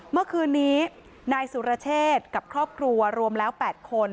เมื่อคืนนี้นายสุรเชษกับครอบครัวรวมแล้ว๘คน